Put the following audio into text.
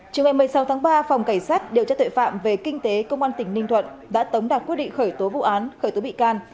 chiều ngày một mươi sáu tháng ba phòng cảnh sát điều tra tuệ phạm về kinh tế công an tỉnh ninh thuận đã tống đạt quyết định khởi tố vụ án khởi tố bị can